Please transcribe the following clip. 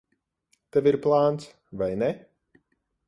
Tev ir plāns, vai ne?